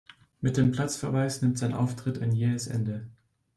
Mit dem Platzverweis nimmt sein Auftritt ein jähes Ende.